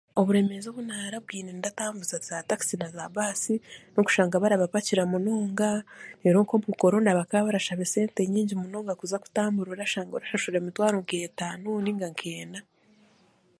Oburemeezi obu naandambwine ndatambuza za taxi na za baasi n'okushanga barabapakira munonga reero nk'omu korona barabashaba esente nyaingi munonga orikuza kutambura orashanga orashashura esente nyaingi nk'emitwaro zeetaano nainga nk'ena